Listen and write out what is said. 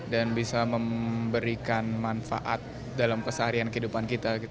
dan bisa memberikan manfaat dalam keseharian kehidupan kita